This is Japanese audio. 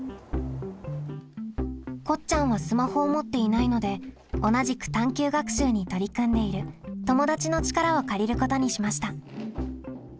こっちゃんはスマホを持っていないので同じく探究学習に取り組んでいる友だちの力を借りることにしました。